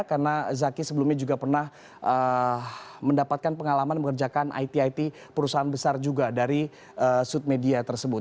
karena zaki sebelumnya juga pernah mendapatkan pengalaman mengerjakan it it perusahaan besar juga dari sud media tersebut